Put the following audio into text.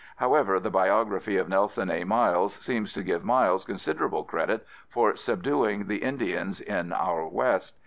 However, the biography of Nelson A. Miles seems to give Miles considerable credit for subduing the Indians in our West.